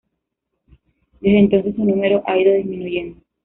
Desde entonces, su número ha ido disminuyendo.